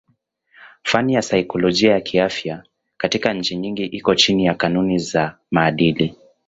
Fani ya saikolojia kiafya katika nchi nyingi iko chini ya kanuni za maadili.